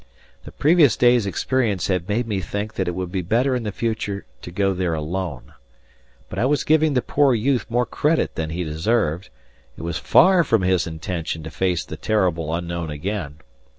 The previous day's experience had made me think that it would be better in the future to go there alone. But I was giving the poor youth more credit than he deserved: it was far from his intention to face the terrible unknown again.